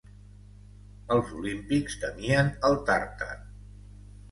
Els Olímpics temien el Tàrtar.